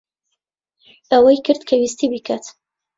ئەوەی کرد کە ویستی بیکات.